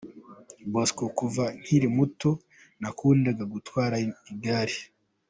Bosco: Kuva nkiri muto nakundaga gutwara igare.